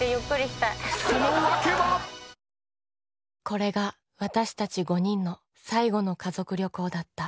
これが私たち５人の最後の家族旅行だった。